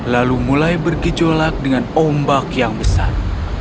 lalu mulai bergejolak dengan ombak yang besar